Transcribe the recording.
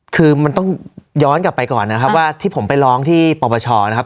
คือมันต้องย้อนกลับไปก่อนนะครับว่าที่ผมไปร้องที่ปปชนะครับ